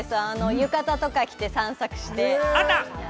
浴衣とか着て散策して。